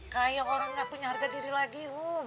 kayak orang nggak punya harga diri lagi rum